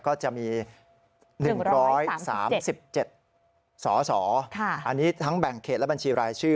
ก็จะมี๑๓๗สสอันนี้ทั้งแบ่งเขตและบัญชีรายชื่อ